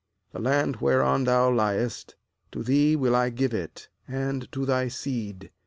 The land whereon thou best', to thee will I give it, and to thy seed.